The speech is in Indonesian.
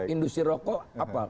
industri rokok apa